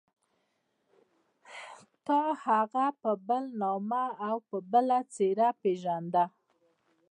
تا هغه په بل نامه او بله څېره پېژانده.